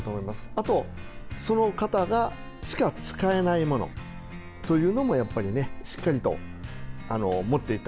あとその方しか使えないものというのもやっぱりねしっかりと持っていってあげてほしいなと思います。